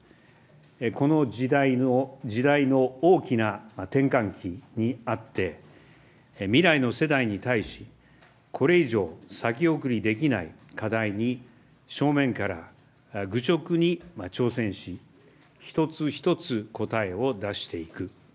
この時代の大きな転換期にあって、未来の世代に対し、これ以上、先送りできない課題に、正面から愚直に挑戦し、一つ一つ答えを出していく。